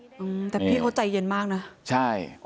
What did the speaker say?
พี่เขาใจเย็นมากนะ